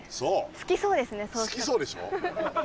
好きそうでしょ？